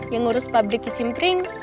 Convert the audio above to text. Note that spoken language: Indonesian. yang urus pabrik di cimring